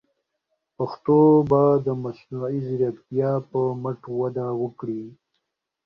پښتو به د مصنوعي ځیرکتیا په مټ وده وکړي.